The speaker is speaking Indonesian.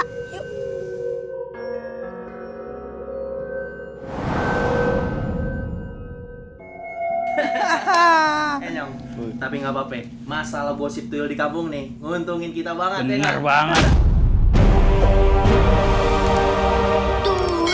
hahaha tapi nggak papa masalah bosip tuyul dikabung nih untungin kita banget bener banget